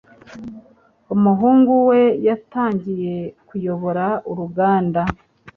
Umuhungu we yatangiye kuyobora uruganda.